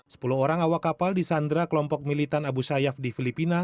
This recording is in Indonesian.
sepuluh orang awak kapal di sandra kelompok militan abu sayyaf di filipina